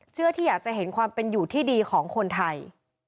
ที่อยากจะเห็นความเป็นอยู่ที่ดีของคนไทย